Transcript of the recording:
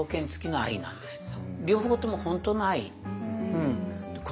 両方とも本当の愛。